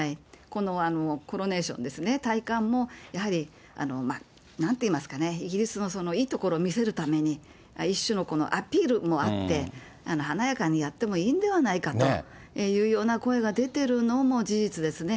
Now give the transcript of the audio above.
このコロネーションですね、戴冠もやはりなんていいますかね、イギリスのいいところを見せるために、一種のアピールもあって、華やかにやってもいいんではないかというような声が出てるのも事実ですね。